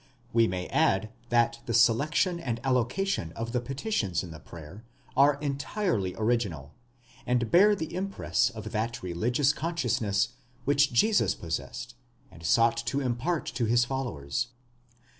28 We may add that the selection and allocation of the peti tions in the prayer are entirely original, and bear the impress of that religious consciousness which Jesus possessed and sought to impart to his followers.?